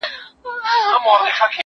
هغه وويل چي سينه سپين مهمه ده؟